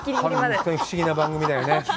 本当に不思議な番組だよね。